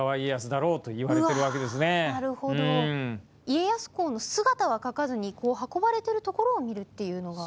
家康公の姿は描かずに運ばれてるところを見るっていうのが。